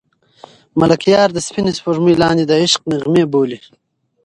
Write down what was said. ملکیار د سپینې سپوږمۍ لاندې د عشق نغمې بولي.